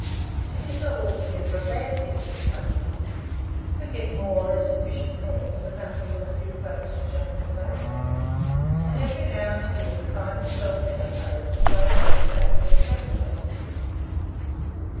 It is not altogether a bad thing for the company, who get more or less efficient hands for nothing but a few plates of junk and duff; and every now and again find themselves better paid than by a whole family of cabin passengers.